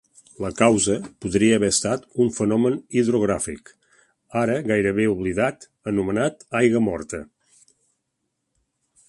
La causa podria haver estat un fenomen hidrogràfic, ara gairebé oblidat, anomenat aigua morta.